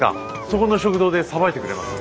そこの食堂でさばいてくれます。